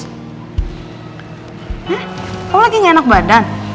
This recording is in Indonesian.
hah kamu lagi gak enak badan